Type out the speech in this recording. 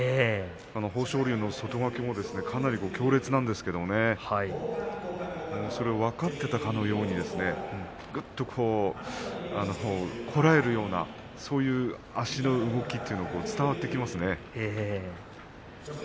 豊昇龍の外掛けもかなり強烈なんですけどそれを分かっていたかのようにぐっとこらえるようなそういう足の動きが伝わってきますね。